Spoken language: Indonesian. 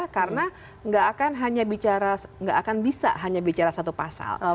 karena nggak akan hanya bicara nggak akan bisa hanya bicara satu pasal